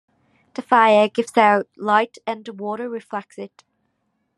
The fire gives out light and the water reflects it.